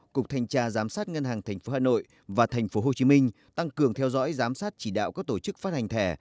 cục thanh tra giám sát ngân hàng tp hà nội và tp hồ chí minh tăng cường theo dõi giám sát chỉ đạo các tổ chức phát hành thẻ